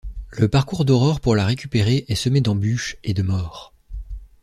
Le parcours d'Aurore pour la récupérer est semé d'embûches et... de morts.